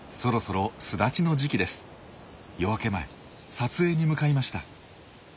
夜明け前撮影に向かいました。